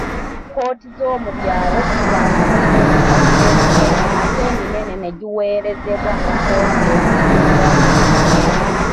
Kkooti z'omubyalo zikwasaganya emisango emitono ate eminene ne giweerezebwa mu kkooti ezisingako.